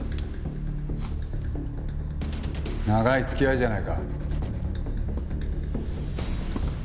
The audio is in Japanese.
長い付き合いじゃないか。